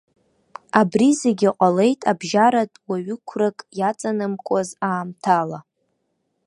Абри зегьы ҟалеит абжьаратә уаҩықәрак иаҵанакуаз аамҭала.